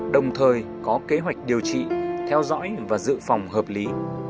đồng thời có kế hoạch điều trị theo dõi và dự phòng hợp lý